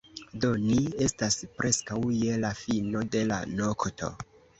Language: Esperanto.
Do, ni estas preskaŭ je la fino de la nokto